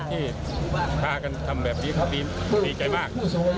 ที่พากันทำแบบนี้เขาดีใจมาก